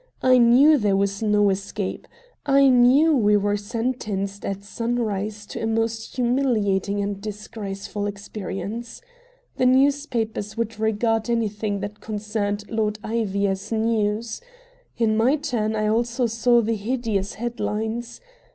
I knew there was no escape. I knew we were sentenced at sunrise to a most humiliating and disgraceful experience. The newspapers would regard anything that concerned Lord Ivy as news. In my turn I also saw the hideous head lines.